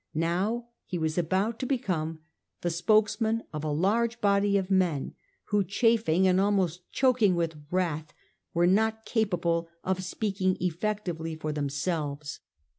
How he was about to become the spokesman of a large body of men who, chafing and almost choking with wrath, were not capable of speaking effectively for themselves.